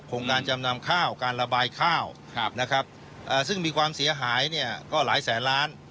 งานจำนำข้าวการระบายข้าวนะครับซึ่งมีความเสียหายเนี่ยก็หลายแสนล้าน